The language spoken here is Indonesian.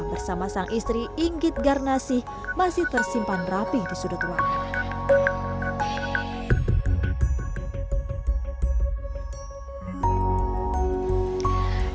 bersama sang istri inggit garnasih masih tersimpan rapih di sudut ruangan